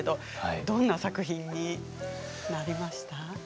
どんな作品になりました？